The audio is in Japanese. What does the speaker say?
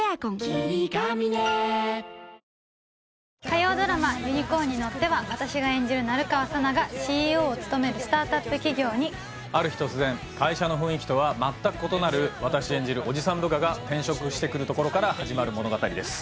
火曜ドラマ「ユニコーンに乗って」は私が演じる成川佐奈がＣＥＯを務めるスタートアップ企業にある日突然会社の雰囲気とはまったく異なる私演じるおじさん部下が転職してくるところから始まる物語です